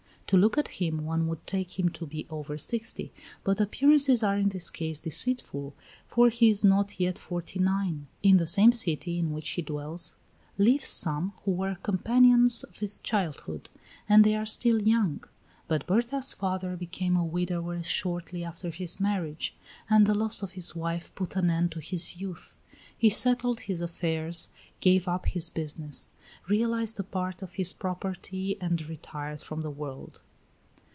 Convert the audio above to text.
To look at him, one would take him to be over sixty; but appearances are in this case deceitful, for he is not yet forty nine. In the same city in which he dwells live some who were companions of his childhood, and they are still young; but Berta's father became a widower shortly after his marriage, and the loss of his wife put an end to his youth. He settled his affairs, gave up his business, realized a part of his property and retired from the world.